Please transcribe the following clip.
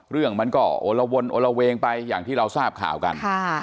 เรื่องมันก็โอละวนโอละเวงไปอย่างที่เราทราบข่าวกัน